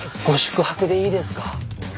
ご宿泊でいいですか？